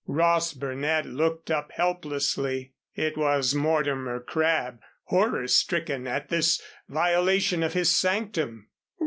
Ross Burnett looked up helplessly. It was Mortimer Crabb, horror stricken at this violation of his sanctum.